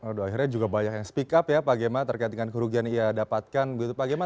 aduh akhirnya juga banyak yang speak up ya pak gema terkait dengan kerugian yang ia dapatkan gitu pak gema